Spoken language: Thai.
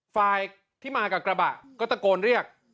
ฝ่ายที่มากับกระบะก็ตะโกนเรียก